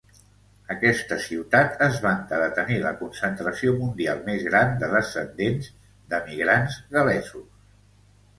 Aquesta ciutat es vanta de tenir la concentració mundial més gran de descendents d'emigrants gal·lesos.